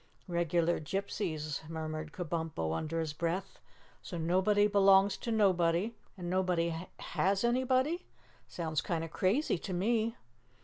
"Regular gypsies," murmured Kabumpo under his breath. "So nobody belongs to nobody, and nobody has anybody? Sounds kind of crazy to me."